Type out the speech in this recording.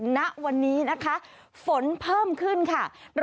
ณวันนี้นะคะฝนเพิ่มขึ้นค่ะ